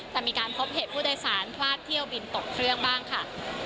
จะมีการพบเหตุผู้โดยสารพลาดเที่ยวบินตกเครื่องบ้างค่ะ